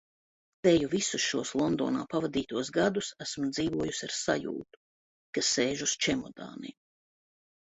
Teju visus šos Londonā pavadītos gadus esmu dzīvojusi ar sajūtu, ka sēžu uz čemodāniem.